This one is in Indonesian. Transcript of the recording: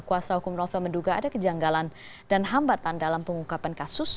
kuasa hukum novel menduga ada kejanggalan dan hambatan dalam pengungkapan kasus